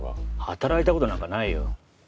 働いた事なんかないよ。